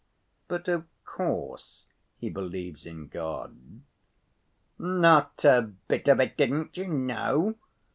"But, of course, he believes in God." "Not a bit of it. Didn't you know?